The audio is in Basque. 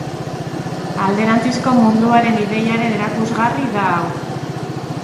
Alderantzizko munduaren ideiaren erakusgarri da hau.